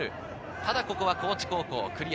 ただここは高知高校、クリア。